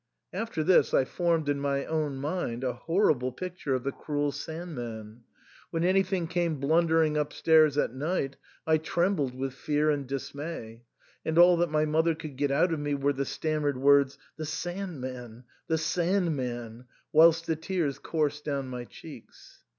*' After this I formed in my own mind a horrible picture of the cruel Sand man. When any thing came blundering upstairs at night I trembled with fear and dismay ; and all that my mother could get out of me were the stammered words " The Sand man ! the Sand man !" whilst the tears coursed down my. cheeks.